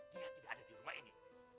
dia tidak ada di rumah ini